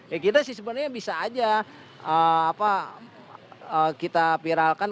ya kita sih sebenarnya bisa aja kita viralkan